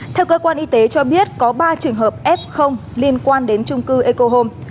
theo cơ quan y tế cho biết có ba trường hợp f liên quan đến trung cư eco home